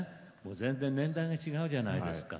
全然年代が違うじゃないですか。